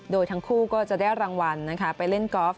โดยทั้งคู่ก็จะได้รางวัลไปเล่นกอล์ฟ